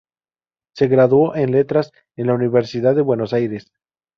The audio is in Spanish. Se graduó en Letras en la Universidad de Buenos Aires.